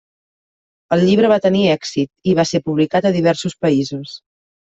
El llibre va tenir èxit i va ser publicat a diversos països.